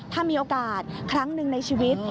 ถ้ามีโอกาสครั้งหนึ่งในชีวิต